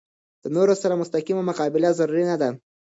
د نورو سره مستقیمه مقابله ضروري نه ده.